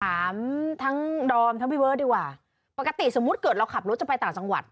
อำทั้งดรมทั้งงี้ด้วยว่าสมมุติเกิดเราขับรถจะไปต่างสังวัตร